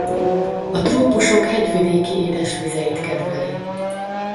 A trópusok hegyvidéki édesvizeit kedveli.